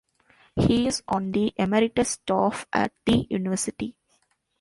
He is on the Emeritus staff at the university.